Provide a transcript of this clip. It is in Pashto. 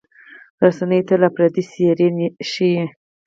رسنۍ تل افراطي څېرې ښيي.